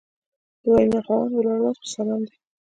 د وینا خاوند ولاړ لاس په سلام دی